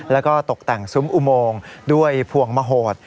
แล้วก็ตกแต่งซุ้มอุโมงด้วยพวงมโหด